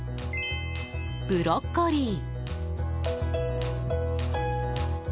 ブロッコリー。